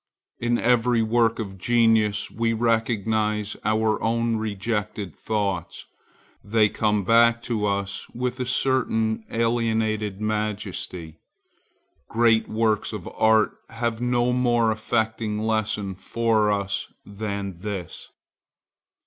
In every work of genius we recognize our own rejected thoughts; they come back to us with a certain alienated majesty. Great works of art have no more affecting lesson for us than this.